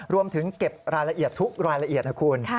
รวมถึงเก็บรายละเอียดทุกรายละเอียดนะคุณ